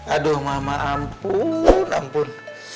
aduh mama ampun ampun